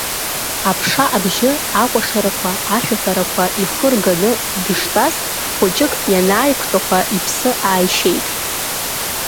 Аԥша абжьы, акәашарақәа, ашәаҳәарақәа ихы рганы дыштәаз, хәыҷык ианааиқәтәақәа иԥсы ааишьеит.